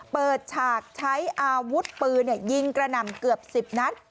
เปิดฉากใช้อาวุธปืนยิงกระหน่ำเกือบ๑๐นัด